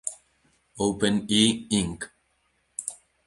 Open-E, Inc.